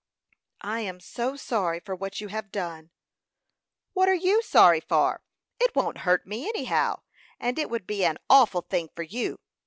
"I am so sorry for what you have done!" "What are you sorry for? It won't hurt me, any how; and it would be an awful thing for you.